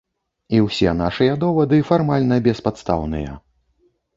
І ўсе нашыя довады фармальна беспадстаўныя.